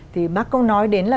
thì bác cũng nói đến là